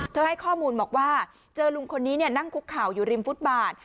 ให้ข้อมูลบอกว่าเจอลุงคนนี้นั่งคุกเข่าอยู่ริมฟุตบาท